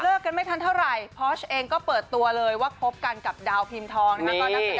กันไม่ทันเท่าไหร่พอร์ชเองก็เปิดตัวเลยว่าคบกันกับดาวพิมพ์ทองนะคะ